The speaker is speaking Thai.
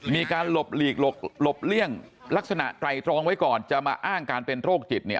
มีการหลบหลีกเลี่ยงลักษณะไตรตรองไว้ก่อนจะมาอ้างการเป็นโรคจิตเนี่ย